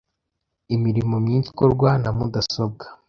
Imirimo myinshi ikorwa na mudasobwa.